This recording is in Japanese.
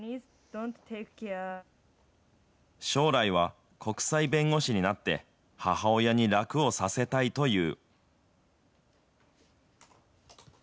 将来は国際弁護士になって、母親に楽をさせたいという。